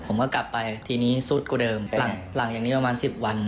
ผมก็กลับไปทีนี้ซุดกว่าเดิมหลังจากนี้ประมาณสิบวัน